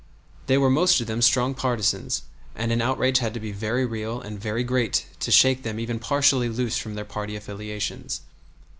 They were most of them strong partisans, and an outrage had to be very real and very great to shake them even partially loose from their party affiliations.